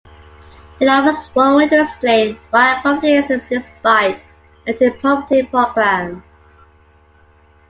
It offers one way to explain why poverty exists despite anti-poverty programs.